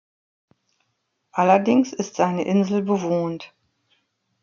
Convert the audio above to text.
Allerdings ist seine Insel bewohnt.